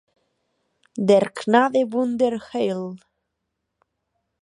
"Der Gnade Wunder Heil!"